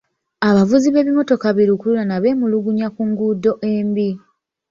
Abavuzi b'ebimotoka bilukululana beemulugunya ku nguudo embi.